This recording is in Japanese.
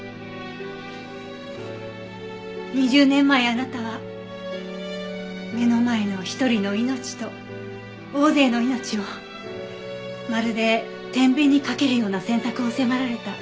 ２０年前あなたは目の前の一人の命と大勢の命をまるで天秤にかけるような選択を迫られた。